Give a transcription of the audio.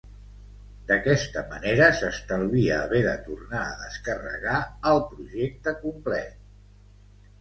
D'aquesta manera s'estalvia haver de tornar a descarregar el projecte complet.